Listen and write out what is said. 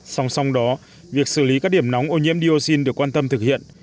song song đó việc xử lý các điểm nóng ô nhiễm dioxin được quan tâm thực hiện